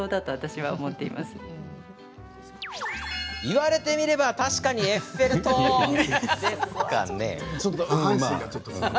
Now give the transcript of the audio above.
言われてみれば確かにエッフェル塔ですかね？